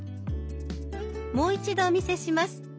もう一度お見せします。